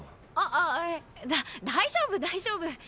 あっ大丈夫大丈夫！